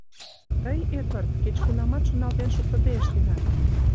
— Тый, Эдвард, кеч-кунамат шоналтен шуктыде ыштенат!